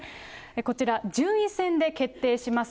こちら順位戦で決定します。